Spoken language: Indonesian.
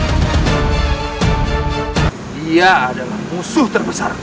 itu artinya kamu juga harus mati di dalamnya